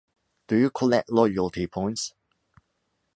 Do you collect loyalty points?